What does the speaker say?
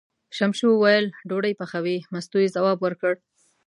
ششمو وویل: ډوډۍ پخوې، مستو یې ځواب ورکړ.